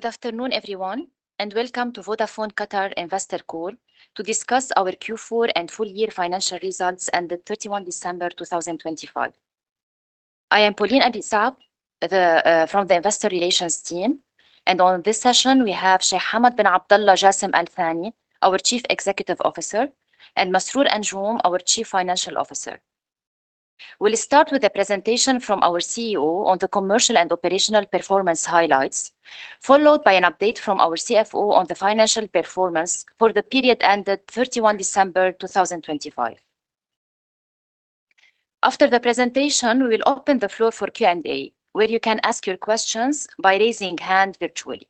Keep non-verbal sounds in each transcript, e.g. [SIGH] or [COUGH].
Good afternoon, everyone, and welcome to Vodafone Qatar Investor Call to discuss our Q4 and Full-Year Financial Results ended 31 December 2025. I am Pauline Abi Saab from the Investor Relations team, and on this session we have Sheikh Hamad Abdulla Jassim Al-Thani, our Chief Executive Officer, and Masroor Anjum, our Chief Financial Officer. We'll start with a presentation from our CEO on the commercial and operational performance highlights, followed by an update from our CFO on the financial performance for the period ended 31 December 2025. After the presentation, we will open the floor for Q&A, where you can ask your questions by raising hands virtually.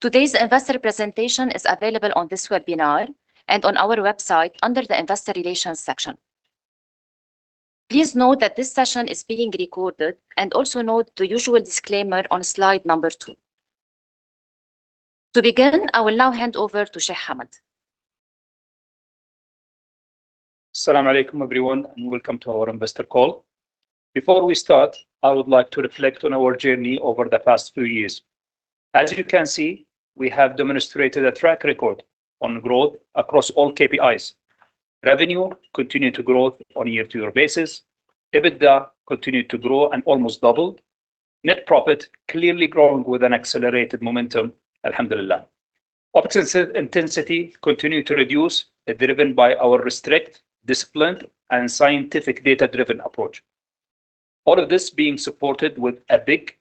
Today's investor presentation is available on this webinar and on our website under the Investor Relations section. Please note that this session is being recorded, and also note the usual disclaimer on slide number 2. To begin, I will now hand over to Sheikh Hamad. Assalamualaikum everyone, and welcome to our investor call. Before we start, I would like to reflect on our journey over the past few years. As you can see, we have demonstrated a track record on growth across all KPIs. Revenue continued to grow on a year-to-year basis, EBITDA continued to grow and almost doubled, net profit clearly growing with an accelerated momentum, Alhamdulillah. OpEx intensity continued to reduce, driven by our restricted, disciplined, and scientific data-driven approach. All of this being supported with a big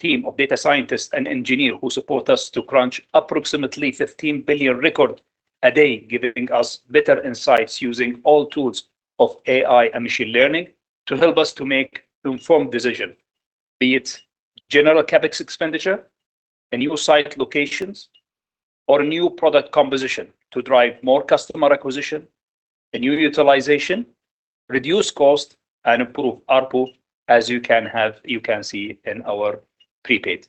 team of data scientists and engineers who support us to crunch approximately 15 billion records a day, giving us better insights using all tools of AI and machine learning to help us to make informed decisions, be it general CapEx expenditure, a new site location, or a new product composition to drive more customer acquisition, a new utilization, reduce cost, and improve ARPU, as you can see in our prepaid.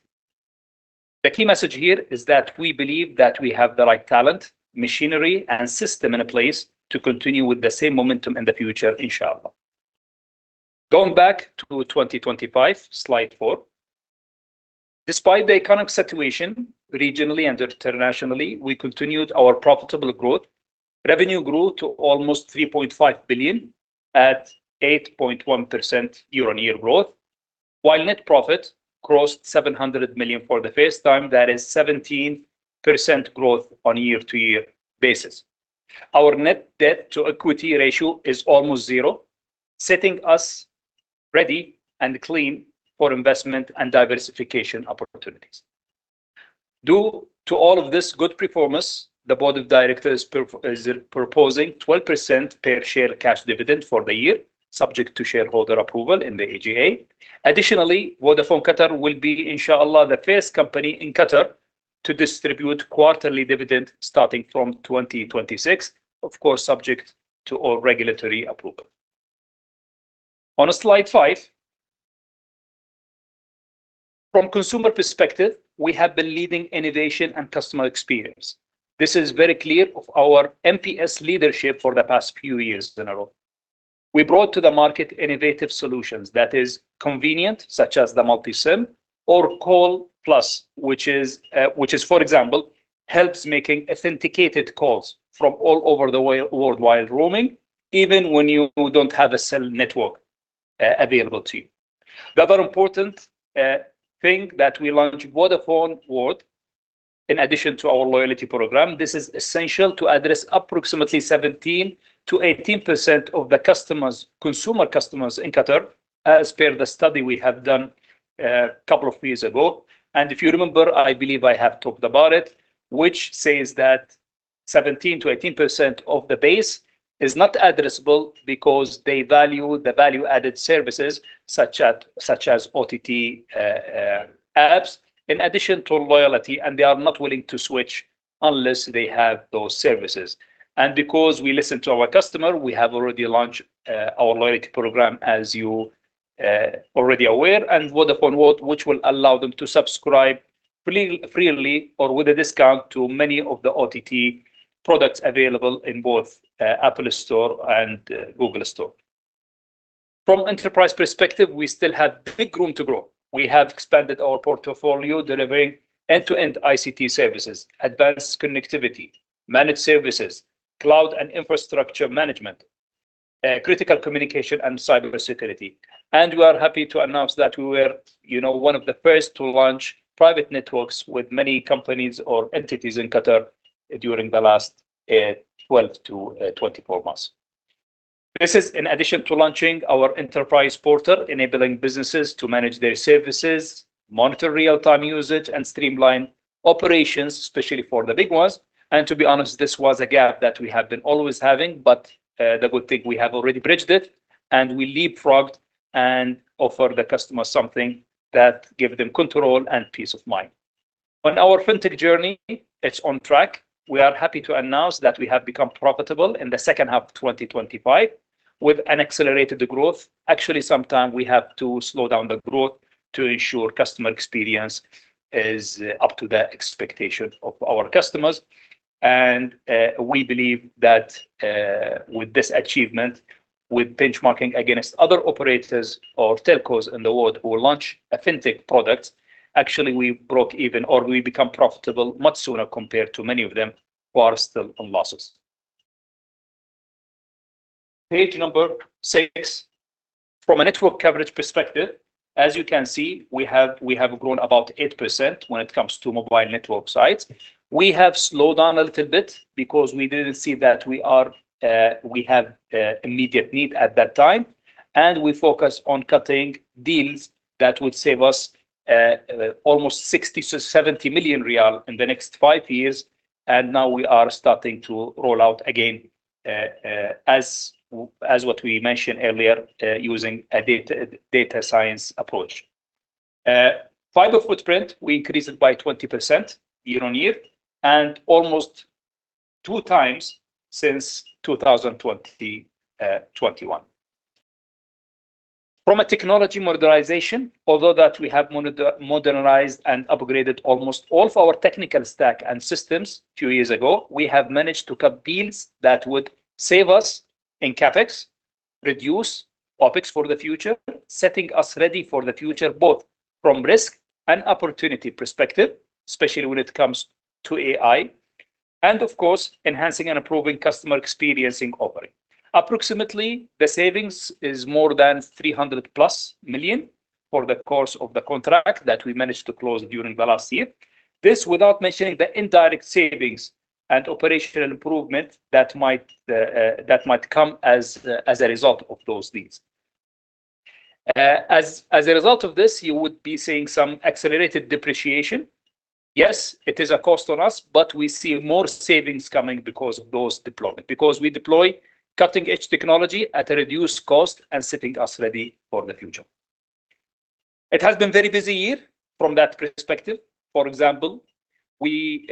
The key message here is that we believe that we have the right talent, machinery, and system in place to continue with the same momentum in the future, Inshallah. Going back to 2025, slide 4. Despite the economic situation regionally and internationally, we continued our profitable growth. Revenue grew to almost 3.5 billion at 8.1% year-on-year growth, while net profit crossed 700 million for the first time, that is 17% growth on a year-to-year basis. Our net debt-to-equity ratio is almost zero, setting us ready and clean for investment and diversification opportunities. Due to all of this good performance, the Board of Directors is proposing 12% per share cash dividend for the year, subject to shareholder approval in the AGA. Additionally, Vodafone Qatar will be, Inshallah, the first company in Qatar to distribute quarterly dividends starting from 2026, of course subject to all regulatory approval. On slide 5. From a consumer perspective, we have been leading innovation and customer experience. This is very clear of our NPS leadership for the past few years in a row. We brought to the market innovative solutions, that is, convenient, such as the Multi-SIM or Call+, which, for example, helps make authenticated calls from all over the world while roaming, even when you don't have a cell network available to you. The other important thing that we launched, Vodafone World, in addition to our loyalty program, this is essential to address approximately 17%-18% of the consumer customers in Qatar, as per the study we have done a couple of years ago. If you remember, I believe I have talked about it, which says that 17%-18% of the base is not addressable because they value the value-added services such as OTT apps, in addition to loyalty, and they are not willing to switch unless they have those services. Because we listen to our customer, we have already launched our loyalty program, as you are already aware, and Vodafone World, which will allow them to subscribe freely or with a discount to many of the OTT products available in both Apple Store and Google Store. From an enterprise perspective, we still have big room to grow. We have expanded our portfolio, delivering end-to-end ICT services, advanced connectivity, managed services, cloud and infrastructure management, critical communication, and cybersecurity. We are happy to announce that we were one of the first to launch private networks with many companies or entities in Qatar during the last 12-24 months. This is in addition to launching our Enterprise Portal, enabling businesses to manage their services, monitor real-time usage, and streamline operations, especially for the big ones. To be honest, this was a gap that we have been always having, but the good thing we have already bridged it, and we leapfrogged and offered the customers something that gives them control and peace of mind. On our fintech journey, it's on track. We are happy to announce that we have become profitable in the second half of 2025 with an accelerated growth. Actually, sometimes we have to slow down the growth to ensure customer experience is up to the expectation of our customers. We believe that with this achievement, with benchmarking against other operators or telcos in the world who launch a fintech product, actually we broke even or we became profitable much sooner compared to many of them who are still in losses. Page number 6. From a network coverage perspective, as you can see, we have grown about 8% when it comes to mobile network sites. We have slowed down a little bit because we didn't see that we have immediate need at that time, and we focused on cutting deals that would save us almost QAR 60 million-QAR 70 million in the next five years. Now we are starting to roll out again, as what we mentioned earlier, using a data science approach. Fiber footprint, we increased it by 20% year-on-year, and almost 2x since 2021. From a technology modernization, although we have modernized and upgraded almost all of our technical stack and systems a few years ago, we have managed to cut deals that would save us in CapEx, reduce OpEx for the future, setting us ready for the future both from risk and opportunity perspective, especially when it comes to AI, and of course enhancing and improving customer experience in offering. Approximately, the savings is more than 300 million+ for the course of the contract that we managed to close during the last year. This without mentioning the indirect savings and operational improvement that might come as a result of those deals. As a result of this, you would be seeing some accelerated depreciation. Yes, it is a cost on us, but we see more savings coming because of those deployments, because we deploy cutting-edge technology at a reduced cost and setting us ready for the future. It has been a very busy year from that perspective. For example, we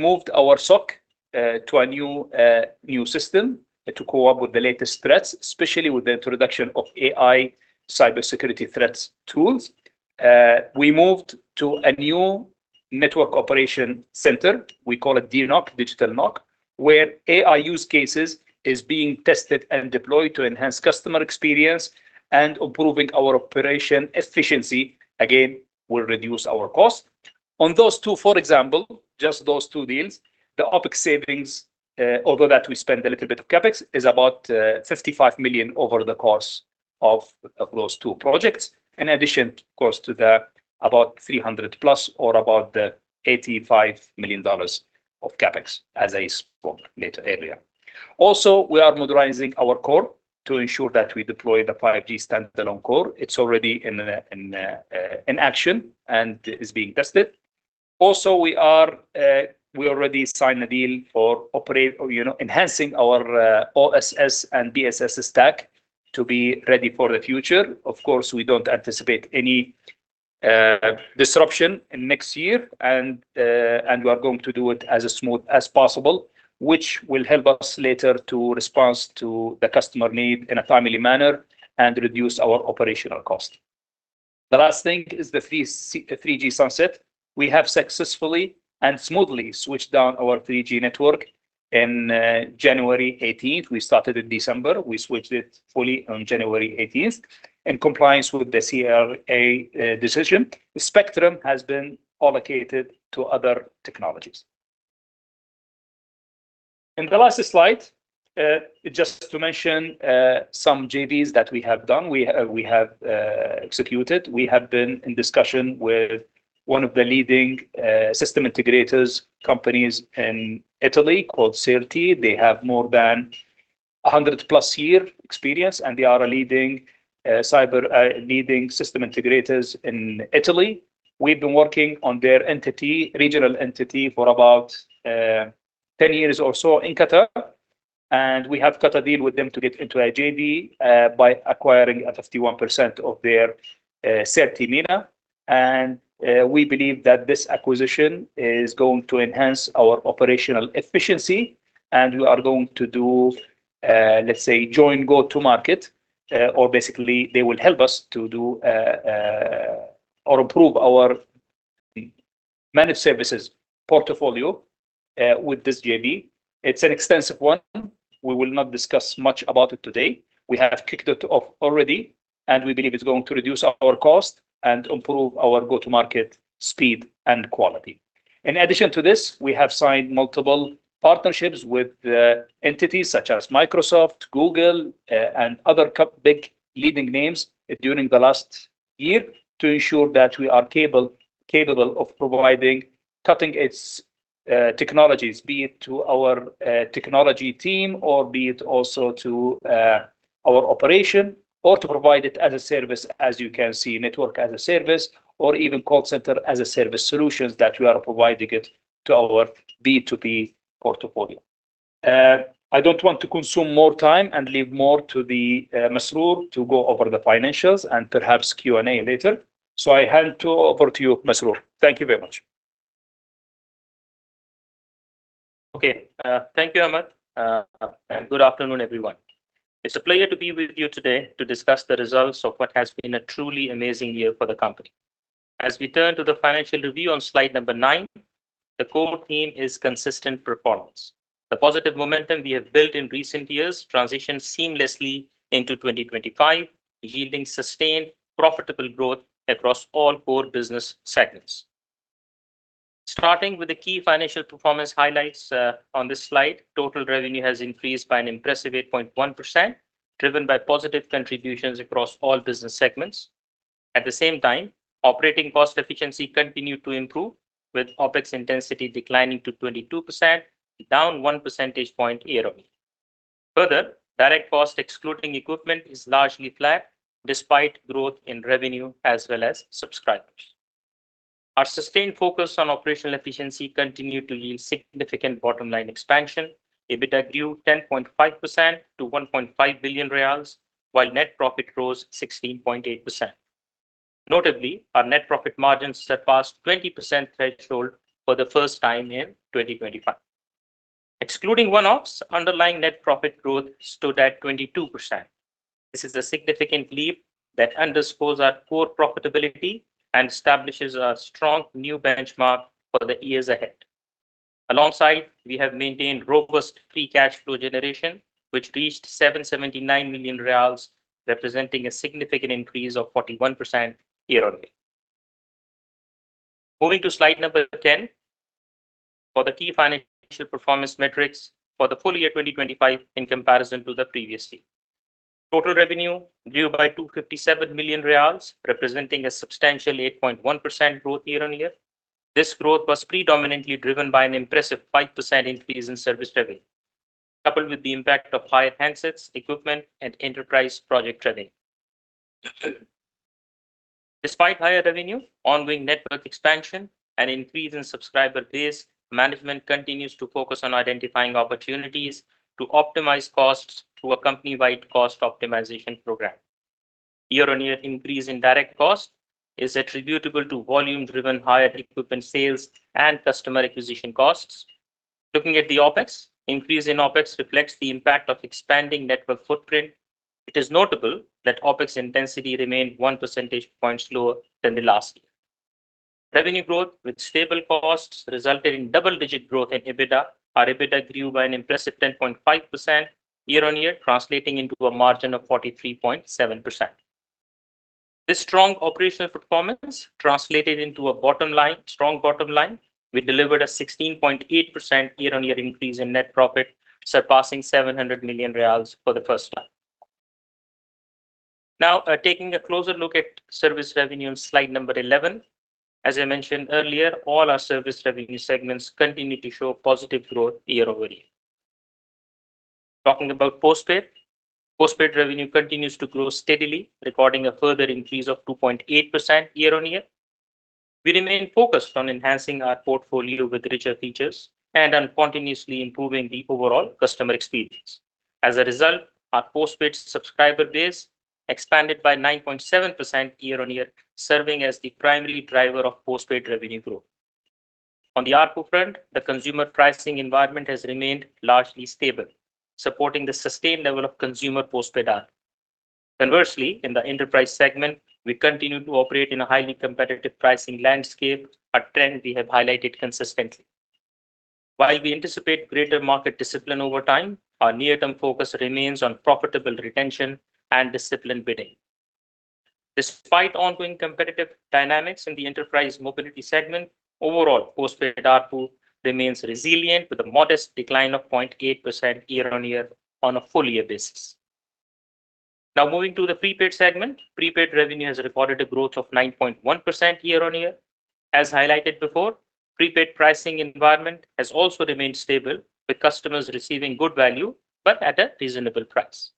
moved our SOC to a new system, to cope with the latest threats, especially with the introduction of AI cybersecurity threats tools. We moved to a new network operation center. We call it D-NOC, Digital NOC, where AI use cases are being tested and deployed to enhance customer experience and improving our operation efficiency. Again, we'll reduce our cost. On those two, for example, just those two deals, the OpEx savings, although we spend a little bit of CapEx, is about 55 million over the course of those two projects, in addition, of course, to the about 300 million+ or about the $85 million of CapEx, as I spoke later earlier. Also, we are modernizing our core to ensure that we deploy the 5G standalone core. It's already in action and is being tested. Also, we already signed a deal for enhancing our OSS and BSS stack to be ready for the future. Of course, we don't anticipate any disruption next year, and we are going to do it as smooth as possible, which will help us later to respond to the customer need in a timely manner and reduce our operational cost. The last thing is the 3G sunset. We have successfully and smoothly switched down our 3G network on January 18th. We started in December. We switched it fully on January 18th in compliance with the CRA decision. The spectrum has been allocated to other technologies. In the last slide, just to mention some JVs that we have done, we have executed. We have been in discussion with one of the leading system integrators companies in Italy called Sirti. They have more than 100+ years' experience, and they are leading system integrators in Italy. We've been working on their regional entity for about 10 years or so in Qatar, and we have cut a deal with them to get into a JV by acquiring 51% of their Sirti MENA. We believe that this acquisition is going to enhance our operational efficiency, and we are going to do, let's say, joint go-to-market, or basically they will help us to do or improve our managed services portfolio with this JV. It's an extensive one. We will not discuss much about it today. We have kicked it off already, and we believe it's going to reduce our cost and improve our go-to-market speed and quality. In addition to this, we have signed multiple partnerships with entities such as Microsoft, Google, and other big leading names during the last year to ensure that we are capable of cutting-edge technologies, be it to our technology team or be it also to our operation, or to provide it as a service, as you can see, network as a service, or even call center as a service solutions that we are providing it to our B2B portfolio. I don't want to consume more time and leave more to Masroor to go over the financials and perhaps Q&A later. So I hand over to you, Masroor. Thank you very much. Okay. Thank you, Hamad. And good afternoon, everyone. It's a pleasure to be with you today to discuss the results of what has been a truly amazing year for the company. As we turn to the financial review on slide number 9, the core theme is consistent performance. The positive momentum we have built in recent years transitioned seamlessly into 2025, yielding sustained, profitable growth across all core business segments. Starting with the key financial performance highlights on this slide, total revenue has increased by an impressive 8.1%, driven by positive contributions across all business segments. At the same time, operating cost efficiency continued to improve, with OpEx intensity declining to 22%, down one percentage point year-on-year. Further, direct cost excluding equipment is largely flat despite growth in revenue as well as subscribers. Our sustained focus on operational efficiency continued to yield significant bottom-line expansion, EBITDA grew 10.5% to 1.5 billion riyals, while net profit rose 16.8%. Notably, our net profit margins surpassed 20% threshold for the first time in 2025. Excluding one-offs, underlying net profit growth stood at 22%. This is a significant leap that underscores our core profitability and establishes a strong new benchmark for the years ahead. Alongside, we have maintained robust free cash flow generation, which reached QAR 779 million, representing a significant increase of 41% year-on-year. Moving to slide number 10 for the key financial performance metrics for the full year 2025 in comparison to the previous year. Total revenue grew by QAR 257 million, representing a substantial 8.1% growth year-on-year. This growth was predominantly driven by an impressive 5% increase in service revenue, coupled with the impact of higher handsets, equipment, and enterprise project revenue. Despite higher revenue, ongoing network expansion, and increase in subscriber base, management continues to focus on identifying opportunities to optimize costs through a company-wide cost optimization program. Year-over-year increase in direct cost is attributable to volume-driven higher equipment sales and customer acquisition costs. Looking at the OpEx, increase in OpEx reflects the impact of expanding network footprint. It is notable that OpEx intensity remained one percentage point slower than the last year. Revenue growth with stable costs resulted in double-digit growth in EBITDA. Our EBITDA grew by an impressive 10.5% year-over-year, translating into a margin of 43.7%. This strong operational performance translated into a strong bottom line. We delivered a 16.8% year-over-year increase in net profit, surpassing QAR 700 million for the first time. Now, taking a closer look at service revenue on slide number 11. As I mentioned earlier, all our service revenue segments continue to show positive growth year-over-year. Talking about postpaid, postpaid revenue continues to grow steadily, recording a further increase of 2.8% year-over-year. We remain focused on enhancing our portfolio with richer features and on continuously improving the overall customer experience. As a result, our postpaid subscriber base expanded by 9.7% year-on-year, serving as the primary driver of postpaid revenue growth. On the ARPU front, the consumer pricing environment has remained largely stable, supporting the sustained level of consumer postpaid ARPU. Conversely, in the enterprise segment, we continue to operate in a highly competitive pricing landscape, a trend we have highlighted consistently. While we anticipate greater market discipline over time, our near-term focus remains on profitable retention and disciplined bidding. Despite ongoing competitive dynamics in the enterprise mobility segment, overall, postpaid ARPU remains resilient with a modest decline of 0.8% year-on-year on a full-year basis. Now, moving to the prepaid segment, prepaid revenue has recorded a growth of 9.1% year-on-year. As highlighted before, the prepaid pricing environment has also remained stable, with customers receiving good value but at a reasonable price.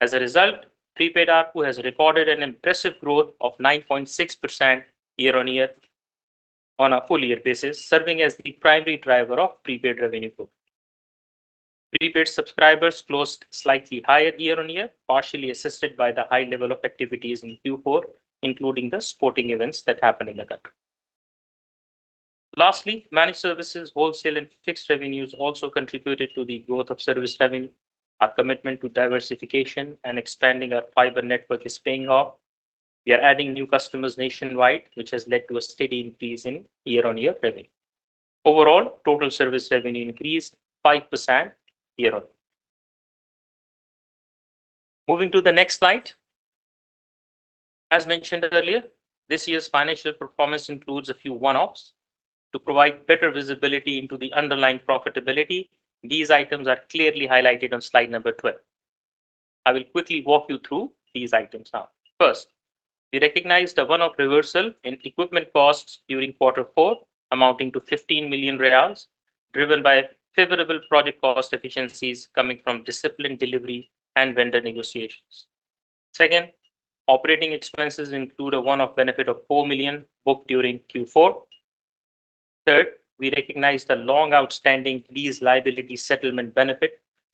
As a result, prepaid ARPU has recorded an impressive growth of 9.6% year-on-year on a full-year basis, serving as the primary driver of prepaid revenue growth. Prepaid subscribers closed slightly higher year-on-year, partially assisted by the high level of activities in Q4, including the sporting events that happened in the country. Lastly, managed services, wholesale, and fixed revenues also contributed to the growth of service revenue. Our commitment to diversification and expanding our fiber network is paying off. We are adding new customers nationwide, which has led to a steady increase in year-on-year revenue. Overall, total service revenue increased 5% year-on-year. Moving to the next slide. As mentioned earlier, this year's financial performance includes a few one-offs. To provide better visibility into the underlying profitability, these items are clearly highlighted on slide number 12. I will quickly walk you through these items now. First, we recognized a one-off reversal in equipment costs during quarter four, amounting to QAR 15 million, driven by favorable project cost efficiencies coming from disciplined delivery and vendor negotiations. Second, operating expenses include a one-off benefit of 4 million booked during Q4. Third, we recognized a long-outstanding lease liability settlement benefit,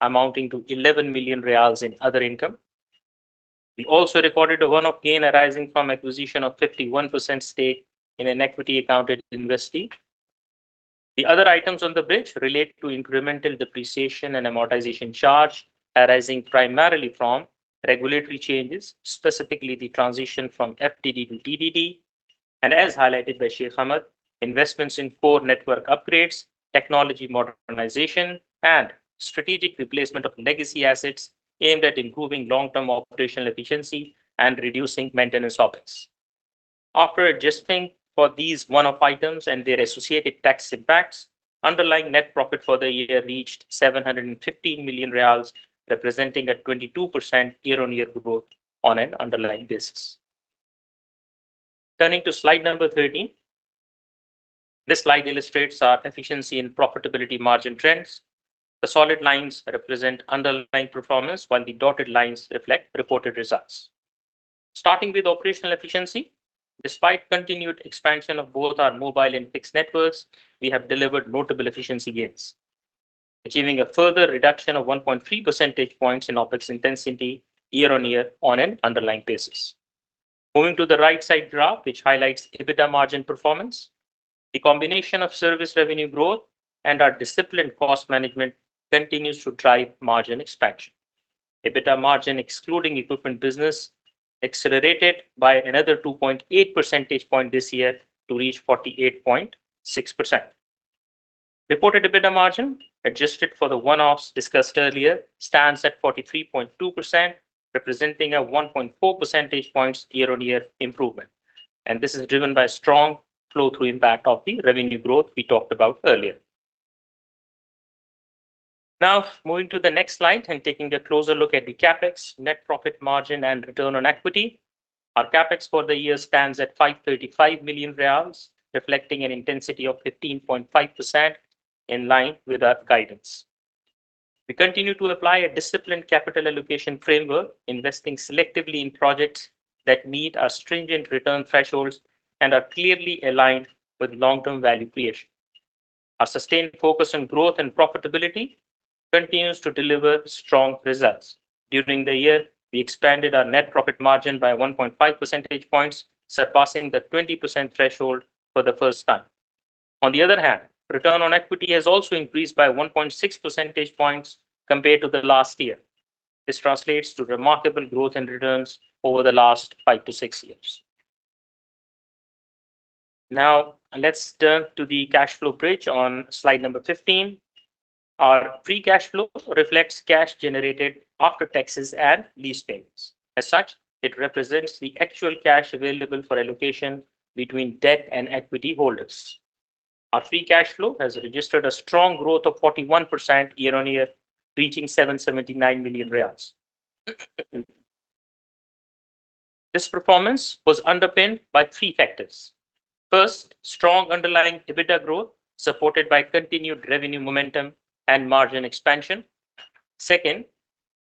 amounting to QAR 11 million in other income. We also recorded a one-off gain arising from acquisition of 51% stake in an equity-accounted investee. The other items on the bridge relate to incremental depreciation and amortization charge, arising primarily from regulatory changes, specifically the transition from FDD to TDD. As highlighted by Sheikh Hamad, investments in core network upgrades, technology modernization, and strategic replacement of legacy assets aimed at improving long-term operational efficiency and reducing maintenance OpEx. After adjusting for these one-off items and their associated tax impacts, underlying net profit for the year reached 715 million riyals, representing a 22% year-on-year growth on an underlying basis. Turning to slide number 13. This slide illustrates our efficiency and profitability margin trends. The solid lines represent underlying performance, while the dotted lines reflect reported results. Starting with operational efficiency, despite continued expansion of both our mobile and fixed networks, we have delivered notable efficiency gains, achieving a further reduction of 1.3 percentage points in OpEx intensity year-on-year on an underlying basis. Moving to the right-side graph, which highlights EBITDA margin performance, the combination of service revenue growth and our disciplined cost management continues to drive margin expansion. EBITDA margin excluding equipment business accelerated by another 2.8 percentage points this year to reach 48.6%. Reported EBITDA margin adjusted for the one-offs discussed earlier stands at 43.2%, representing a 1.4 percentage points year-on-year improvement. This is driven by a strong flow-through impact of the revenue growth we talked about earlier. Now, moving to the next slide and taking a closer look at the CapEx, net profit margin, and return on equity. Our CapEx for the year stands at QAR 535 million, reflecting an intensity of 15.5% in line with our guidance. We continue to apply a disciplined capital allocation framework, investing selectively in projects that meet our stringent return thresholds and are clearly aligned with long-term value creation. Our sustained focus on growth and profitability continues to deliver strong results. During the year, we expanded our net profit margin by 1.5 percentage points, surpassing the 20% threshold for the first time. On the other hand, return on equity has also increased by 1.6 percentage points compared to the last year. This translates to remarkable growth in returns over the last five-six years. Now, let's turn to the cash flow bridge on slide number 15. Our free cash flow reflects cash generated after taxes and lease payments. As such, it represents the actual cash available for allocation between debt and equity holders. Our free cash flow has registered a strong growth of 41% year-on-year, reaching QAR 779 million. This performance was underpinned by three factors. First, strong underlying EBITDA growth supported by continued revenue momentum and margin expansion. Second,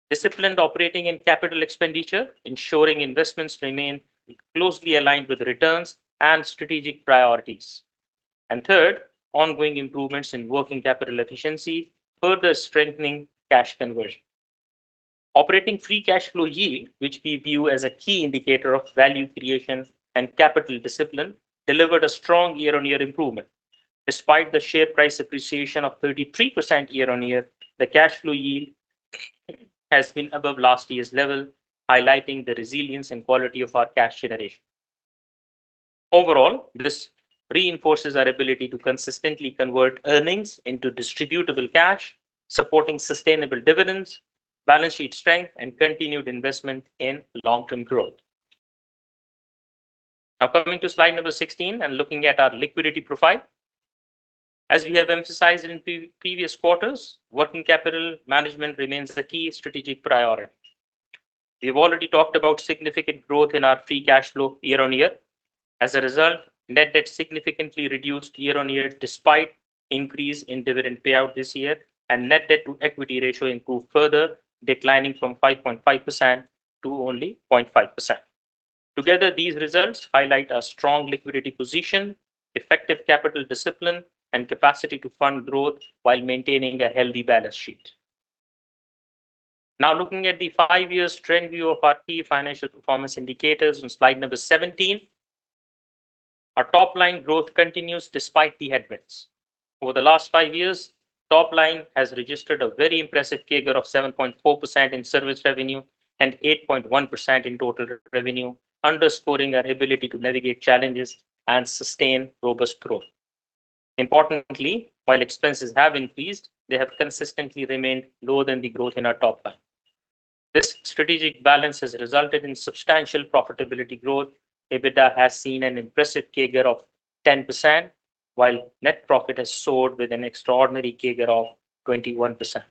disciplined operating and capital expenditure, ensuring investments remain closely aligned with returns and strategic priorities. Third, ongoing improvements in working capital efficiency, further strengthening cash conversion. Operating free cash flow yield, which we view as a key indicator of value creation and capital discipline, delivered a strong year-on-year improvement. Despite the share price appreciation of 33% year on year, the cash flow yield has been above last year's level, highlighting the resilience and quality of our cash generation. Overall, this reinforces our ability to consistently convert earnings into distributable cash, supporting sustainable dividends, balance sheet strength, and continued investment in long-term growth. Now, coming to slide number 16 and looking at our liquidity profile. As we have emphasized in previous quarters, working capital management remains a key strategic priority. We have already talked about significant growth in our free cash flow year on year. As a result, net debt significantly reduced year-over-year despite an increase in dividend payout this year, and net debt-to-equity ratio improved further, declining from 5.5% to only 0.5%. Together, these results highlight our strong liquidity position, effective capital discipline, and capacity to fund growth while maintaining a healthy balance sheet. Now, looking at the five-year trend view of our key financial performance indicators on slide number 17. Our top-line growth continues despite the headwinds. Over the last five years, top-line has registered a very impressive CAGR of 7.4% in service revenue and 8.1% in total revenue, underscoring our ability to navigate challenges and sustain robust growth. Importantly, while expenses have increased, they have consistently remained lower than the growth in our top-line. This strategic balance has resulted in substantial profitability growth. EBITDA has seen an impressive CAGR of 10%, while net profit has soared with an extraordinary CAGR of 21%.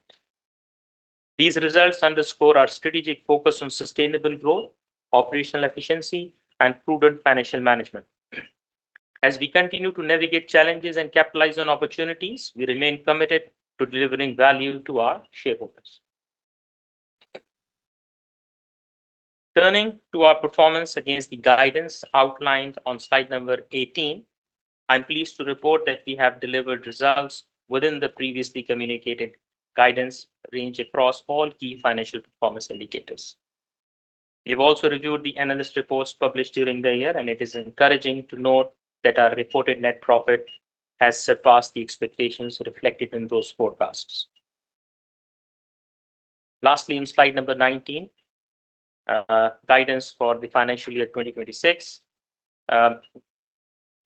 These results underscore our strategic focus on sustainable growth, operational efficiency, and prudent financial management. As we continue to navigate challenges and capitalize on opportunities, we remain committed to delivering value to our shareholders. Turning to our performance against the guidance outlined on slide number 18. I'm pleased to report that we have delivered results within the previously communicated guidance range across all key financial performance indicators. We have also reviewed the analyst reports published during the year, and it is encouraging to note that our reported net profit has surpassed the expectations reflected in those forecasts. Lastly, on slide number 19, guidance for the financial year 2026.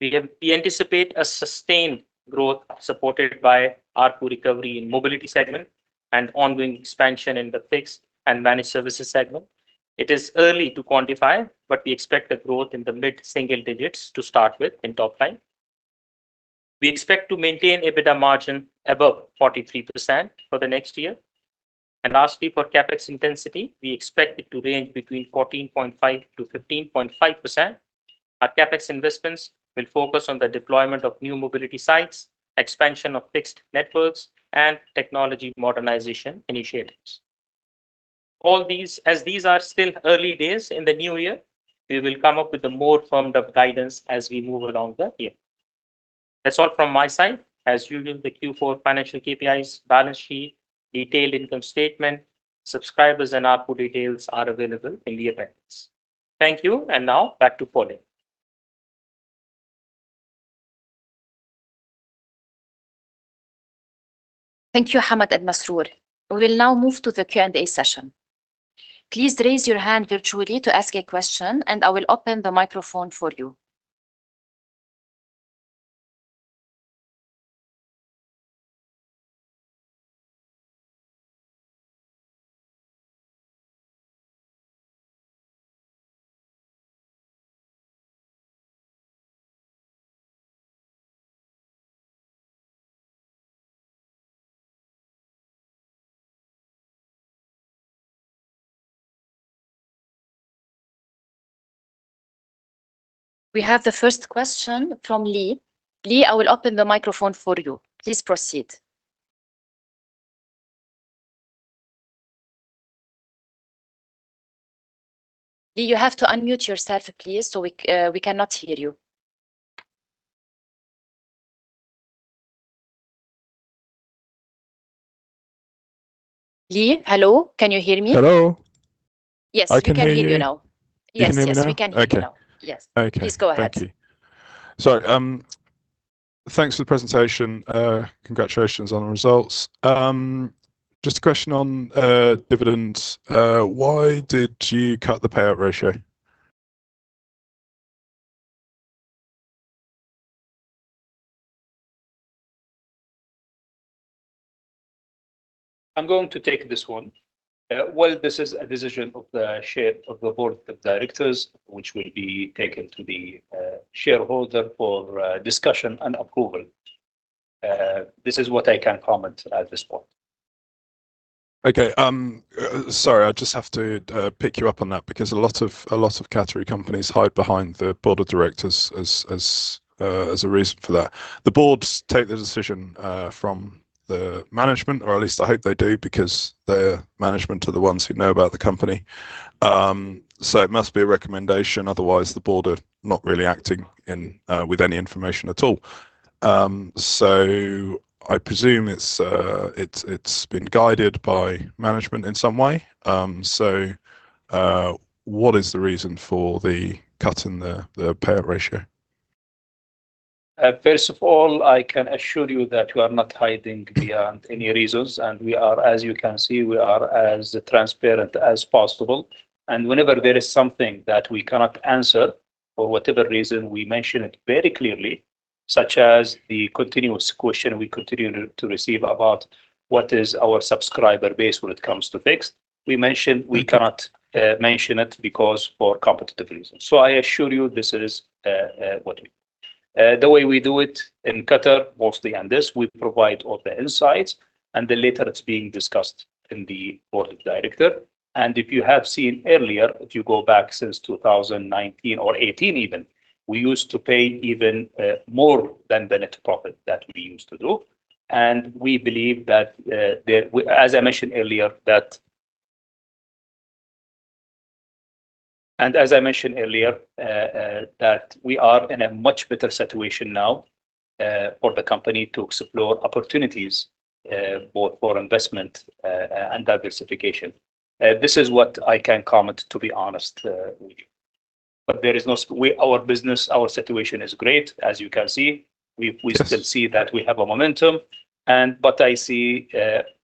We anticipate a sustained growth supported by ARPU recovery in mobility segment and ongoing expansion in the fixed and managed services segment. It is early to quantify, but we expect a growth in the mid-single digits to start with in top-line. We expect to maintain EBITDA margin above 43% for the next year. Lastly, for CapEx intensity, we expect it to range between 14.5%-15.5%. Our CapEx investments will focus on the deployment of new mobility sites, expansion of fixed networks, and technology modernization initiatives. As these are still early days in the new year, we will come up with more firm guidance as we move along the year. That's all from my side. As usual, the Q4 financial KPIs, balance sheet, detailed income statement, subscribers, and ARPU details are available in the appendix. Thank you, and now back to Pauline. Thank you, Hamad and Masroor. We will now move to the Q&A session. Please raise your hand virtually to ask a question, and I will open the microphone for you. We have the first question from Lee. Lee, I will open the microphone for you. Please proceed. Lee, you have to unmute yourself, please, so we cannot hear you. Lee, hello? Can you hear me? Hello. [CROSSTALK] Yes, we can hear you now. Yes, yes, we can hear you now. Yes. Please go ahead. Thank you. Sorry. Thanks for the presentation. Congratulations on the results. Just a question on dividends. Why did you cut the payout ratio? I'm going to take this one. Well, this is a decision of the Board of Directors, which will be taken to the shareholder for discussion and approval. This is what I can comment at this point. Okay. Sorry, I just have to pick you up on that because a lot of category companies hide behind the Board of Directors as a reason for that. The boards take the decision from the management, or at least I hope they do because they're management are the ones who know about the company. So it must be a recommendation. Otherwise, the board are not really acting with any information at all. So I presume it's been guided by management in some way. So what is the reason for the cut in the payout ratio? First of all, I can assure you that we are not hiding behind any reasons, and as you can see, we are as transparent as possible. Whenever there is something that we cannot answer for whatever reason, we mention it very clearly, such as the continuous question we continue to receive about what is our subscriber base when it comes to fixed. We cannot mention it because of competitive reasons. I assure you this is what we do. The way we do it in Qatar, mostly on this, we provide all the insights, and then later it's being discussed in the Board of Directors. If you have seen earlier, if you go back since 2019 or 2018 even, we used to pay even more than the net profit that we used to do. We believe that, as I mentioned earlier, that we are in a much better situation now for the company to explore opportunities both for investment and diversification. This is what I can comment, to be honest, with you. Our business, our situation is great, as you can see. We still see that we have a momentum. I see,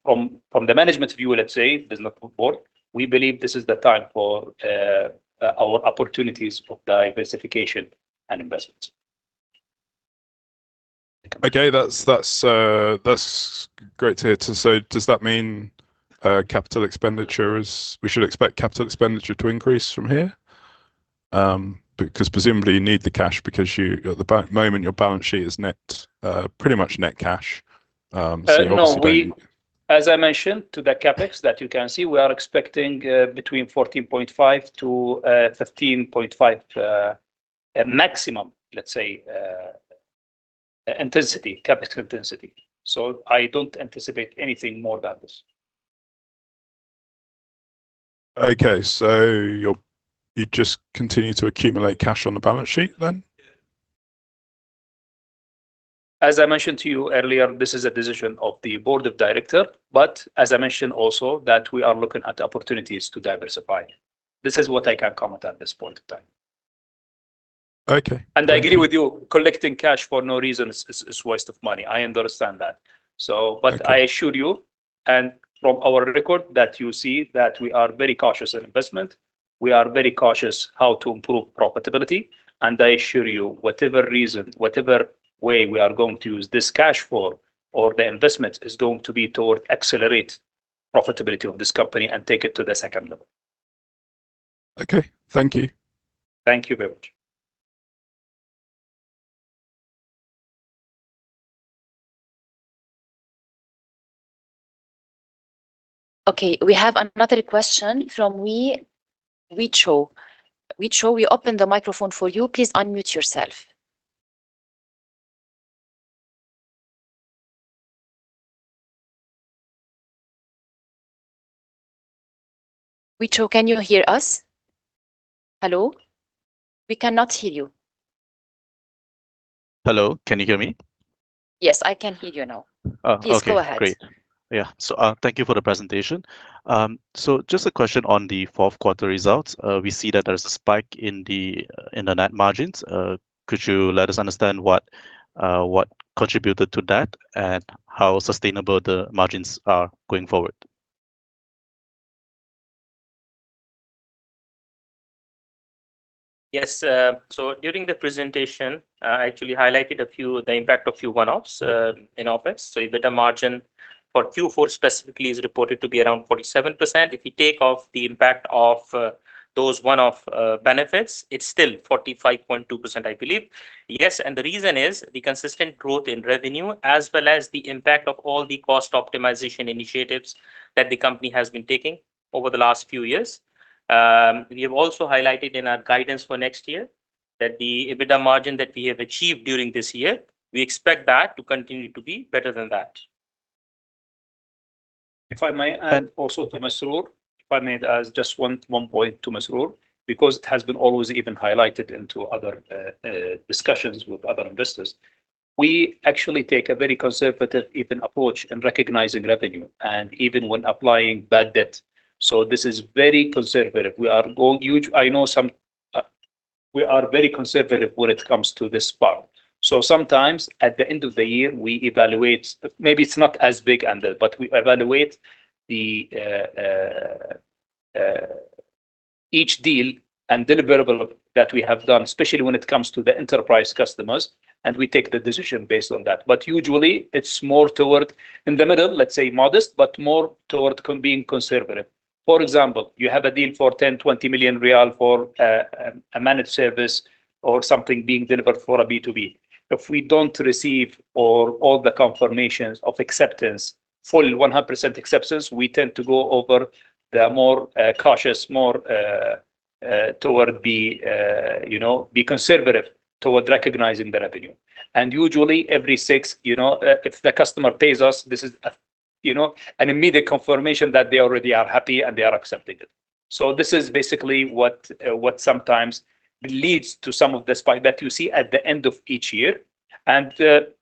from the management view, let's say, business board, we believe this is the time for our opportunities of diversification and investments. Okay. That's great to hear. So does that mean capital expenditure is we should expect capital expenditure to increase from here? Because presumably, you need the cash because at the moment, your balance sheet is pretty much net cash. So you obviously don't. As I mentioned to the CapEx that you can see, we are expecting between 14.5%-15.5% maximum, let's say, CapEx intensity. So I don't anticipate anything more than this. Okay. So you just continue to accumulate cash on the balance sheet then? As I mentioned to you earlier, this is a decision of the Board of Directors. But as I mentioned also, that we are looking at opportunities to diversify. This is what I can comment at this point in time. And I agree with you. Collecting cash for no reason is waste of money. I understand that. But I assure you, and from our record, that you see that we are very cautious in investment. We are very cautious how to improve profitability. And I assure you, whatever reason, whatever way we are going to use this cash for or the investment is going to be toward accelerating profitability of this company and take it to the second level. Okay. Thank you. Thank you very much. Okay. We have another question from Wicho. Wicho, we opened the microphone for you. Please unmute yourself. Wicho, can you hear us? Hello? We cannot hear you. Hello. Can you hear me? Yes, I can hear you now. Please go ahead. Okay. Great. Yeah. So thank you for the presentation. So just a question on the fourth quarter results. We see that there is a spike in the net margins. Could you let us understand what contributed to that and how sustainable the margins are going forward? Yes. So during the presentation, I actually highlighted the impact of a few one-offs in OpEx. So EBITDA margin for Q4 specifically is reported to be around 47%. If you take off the impact of those one-off benefits, it's still 45.2%, I believe. Yes. And the reason is the consistent growth in revenue as well as the impact of all the cost optimization initiatives that the company has been taking over the last few years. We have also highlighted in our guidance for next year that the EBITDA margin that we have achieved during this year, we expect that to continue to be better than that. If I may add also to Masroor, if I may just one point to Masroor because it has been always even highlighted into other discussions with other investors. We actually take a very conservative approach in recognizing revenue and even when applying bad debt. So this is very conservative. I know we are very conservative when it comes to this part. So sometimes at the end of the year, we evaluate maybe it's not as big and there, but we evaluate each deal and deliverable that we have done, especially when it comes to the enterprise customers, and we take the decision based on that. But usually, it's more toward in the middle, let's say modest, but more toward being conservative. For example, you have a deal for QAR 10 million-QAR 20 million for a managed service or something being delivered for a B2B. If we don't receive all the confirmations of acceptance, full 100% acceptance, we tend to go over the more cautious, more toward be conservative toward recognizing the revenue. Usually, every six, if the customer pays us, this is an immediate confirmation that they already are happy and they are accepting it. This is basically what sometimes leads to some of the spike that you see at the end of each year.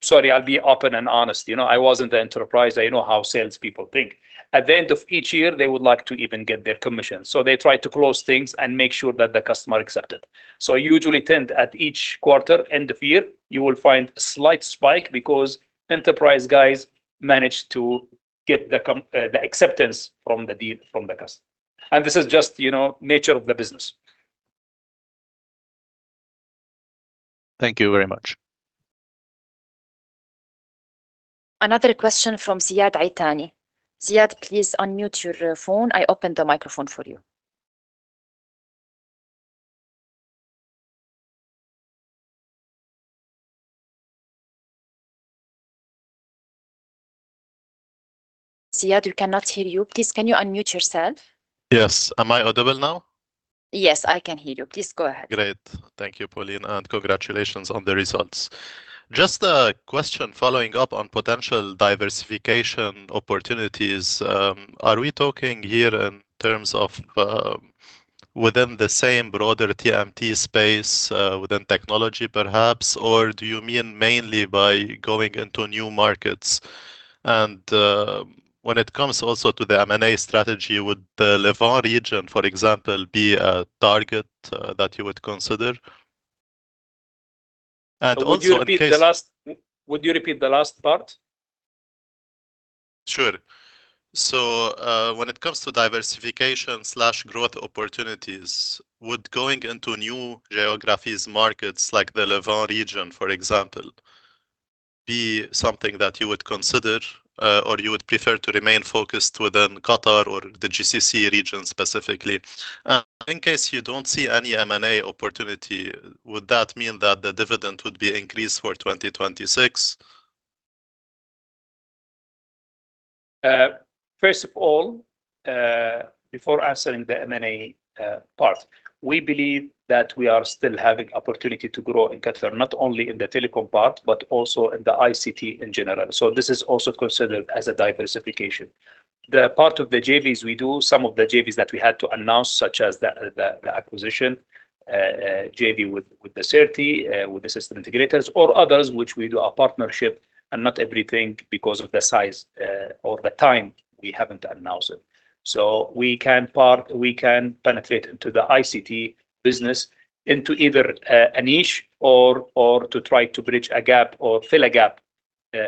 Sorry, I'll be open and honest. I was in the enterprise. I know how salespeople think. At the end of each year, they would like to even get their commission. They try to close things and make sure that the customer accepted. Usually, tend at each quarter, end of year, you will find a slight spike because enterprise guys manage to get the acceptance from the customer. This is just nature of the business. Thank you very much. Another question from Ziad Itani. Ziad, please unmute your phone. I opened the microphone for you. Ziad, we cannot hear you. Please, can you unmute yourself? Yes. Am I audible now? Yes, I can hear you. Please go ahead. Great. Thank you, Pauline, and congratulations on the results. Just a question following up on potential diversification opportunities. Are we talking here in terms of within the same broader TMT space, within technology, perhaps? Or do you mean mainly by going into new markets? And when it comes also to the M&A strategy, would the Levant region, for example, be a target that you would consider? And also in case-- Would you repeat the last part? Sure. So when it comes to diversification, growth opportunities, would going into new geographies, markets like the Levant region, for example, be something that you would consider or you would prefer to remain focused within Qatar or the GCC region specifically? In case you don't see any M&A opportunity, would that mean that the dividend would be increased for 2026? First of all, before answering the M&A part, we believe that we are still having opportunity to grow in Qatar, not only in the telecom part, but also in the ICT in general. So this is also considered as a diversification. The part of the JVs we do, some of the JVs that we had to announce, such as the acquisition JV with the Sirti, with the system integrators, or others, which we do a partnership and not everything because of the size or the time, we haven't announced it. So we can penetrate into the ICT business into either a niche or to try to bridge a gap or fill a gap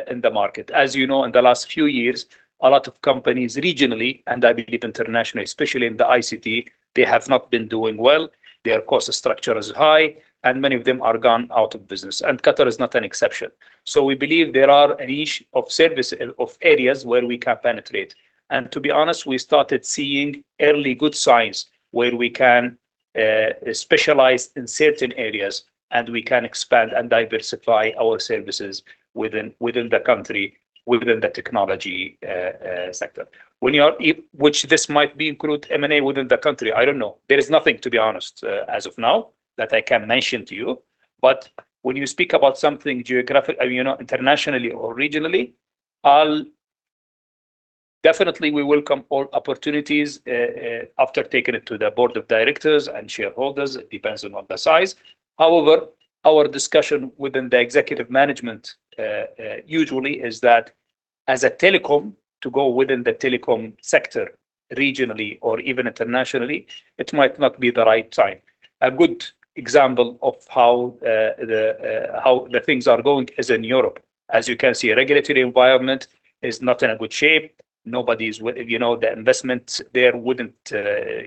in the market. As you know, in the last few years, a lot of companies regionally, and I believe internationally, especially in the ICT, they have not been doing well. Their cost structure is high, and many of them are gone out of business. Qatar is not an exception. We believe there are a niche of areas where we can penetrate. To be honest, we started seeing early good signs where we can specialize in certain areas, and we can expand and diversify our services within the country, within the technology sector. Which this might include M&A within the country, I don't know. There is nothing, to be honest, as of now that I can mention to you. When you speak about something geographic, I mean, internationally or regionally, definitely, we welcome all opportunities after taking it to the Board of Directors and shareholders. It depends on the size. However, our discussion within the executive management usually is that as a telecom, to go within the telecom sector regionally or even internationally, it might not be the right time. A good example of how the things are going is in Europe. As you can see, the regulatory environment is not in a good shape. The investments there wouldn't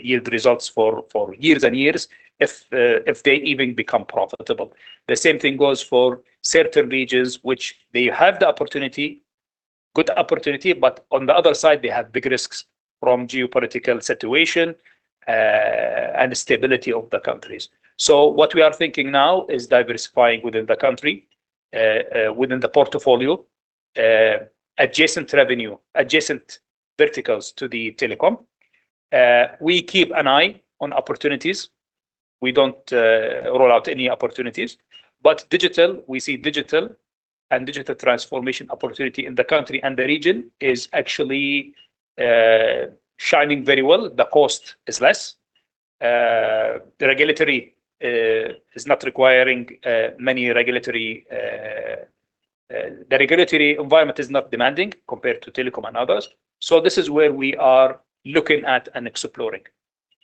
yield results for years and years if they even become profitable. The same thing goes for certain regions, which they have the opportunity, good opportunity, but on the other side, they have big risks from geopolitical situation and stability of the countries. So what we are thinking now is diversifying within the country, within the portfolio, adjacent revenue, adjacent verticals to the telecom. We keep an eye on opportunities. We don't roll out any opportunities. But digital, we see digital and digital transformation opportunity in the country and the region is actually shining very well. The cost is less. The regulatory is not requiring many regulatory. The regulatory environment is not demanding compared to telecom and others. So this is where we are looking at and exploring.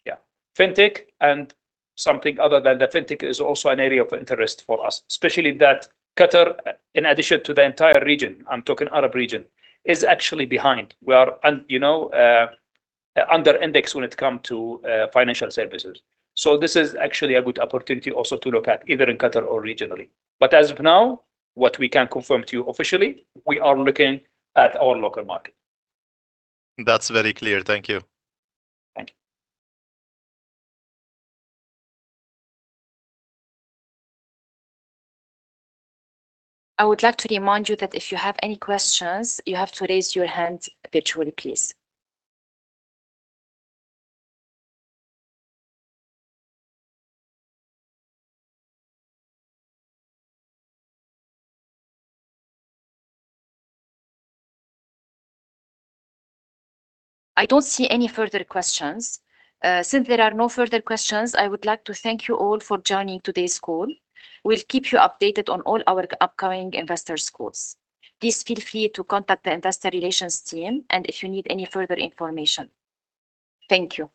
Yeah. Fintech and something other than the Fintech is also an area of interest for us, especially that Qatar, in addition to the entire region, I'm talking Arab region, is actually behind. We are underindexed when it comes to financial services. So this is actually a good opportunity also to look at either in Qatar or regionally. But as of now, what we can confirm to you officially, we are looking at our local market. That's very clear. Thank you. Thank you. I would like to remind you that if you have any questions, you have to raise your hand virtually, please. I don't see any further questions. Since there are no further questions, I would like to thank you all for joining today's call. We'll keep you updated on all our upcoming investor calls. Please feel free to contact the investor relations team, and if you need any further information. Thank you.